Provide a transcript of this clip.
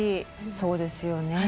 そうですよね。